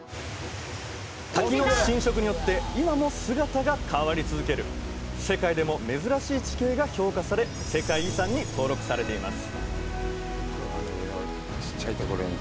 滝の浸食によって今も姿が変わり続ける世界でも珍しい地形が評価され世界遺産に登録されています